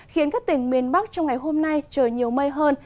khiến các tỉnh miền bắc trong ngày hôm nay trời nhiều mây hơn